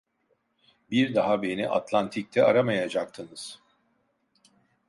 Bir daha beni Atlantik'te aramayacaktınız…